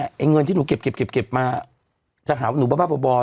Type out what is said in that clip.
ไอ้เงินที่หนูเก็บมาจะหาหนูบ้าก็ดีครั้งหลาย